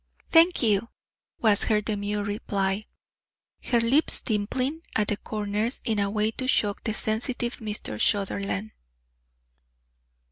"Thank you," was her demure reply, her lips dimpling at the corners in a way to shock the sensitive Mr. Sutherland.